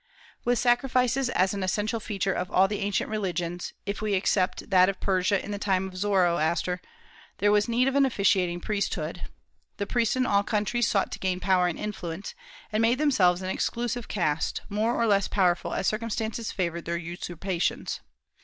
With sacrifices as an essential feature of all the ancient religions, if we except that of Persia in the time of Zoroaster, there was need of an officiating priesthood. The priests in all countries sought to gain power and influence, and made themselves an exclusive caste, more or less powerful as circumstances favored their usurpations.